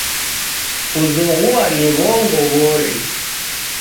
Kuzoghuo na w'ongo w'ori